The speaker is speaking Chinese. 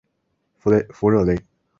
弗热雷。